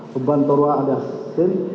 beban toluan dan sin